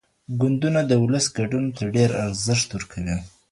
ګوندونه د ولس ګډون ته ډېر ارزښت ورکوي.